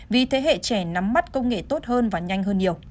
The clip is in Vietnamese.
vì thế hệ trẻ nắm mắt công nghệ tốt hơn và nhanh hơn nhiều